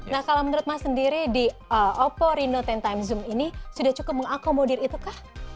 nah kalau menurut mas sendiri di oppo reno sepuluh zoom ini sudah cukup mengakomodir itu kah